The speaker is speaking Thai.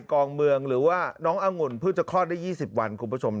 กองเมืองหรือว่าน้ององุ่นเพิ่งจะคลอดได้๒๐วันคุณผู้ชม